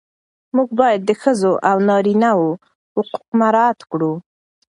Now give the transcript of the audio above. موږ باید د ښځو او نارینه وو حقوق مراعات کړو.